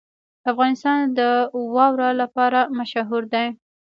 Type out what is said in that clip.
افغانستان د واوره لپاره مشهور دی.